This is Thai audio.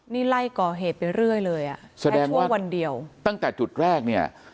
นี่ไล่ก่อเหตุไปเรื่อยเลยอ่ะใช่แค่ช่วงวันเดียวตั้งแต่จุดแรกเนี่ย